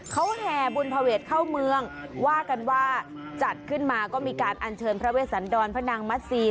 เขาแห่บุญภเวทเข้าเมืองว่ากันว่าจัดขึ้นมาก็มีการอัญเชิญพระเวสันดรพระนางมัสซี